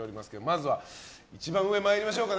まずは、一番上参りましょうか。